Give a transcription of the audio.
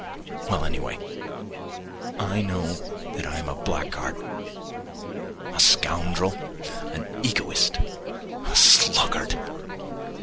Well, anyway, I know that I am a blackguard, a scoundrel, an egoist, a sluggard.